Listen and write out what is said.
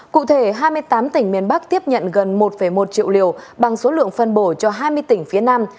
cụ thể hai mươi tám tỉnh miền bắc tiếp nhận gần một một triệu liều bằng số lượng phân bổ cho hai mươi tỉnh phía nam